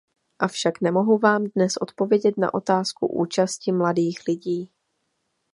Avšak nemohu vám dnes odpovědět na otázku účasti mladých lidí.